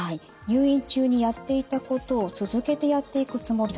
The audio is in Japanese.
「入院中にやっていたことを続けてやっていくつもり」。